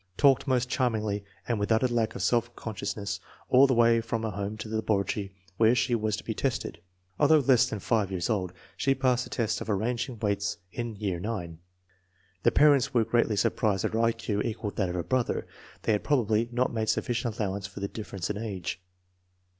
Talked most charmingly and with utter lack of self consciousness all the way from her home to the laboratory where she was to be tested. Although less than 5 years old, she passed the test of arranging weights in year 9. The parents were greatly surprised that her I Q equaled that of her brother. They had probably not made sufficient allowance for the differ ence in age.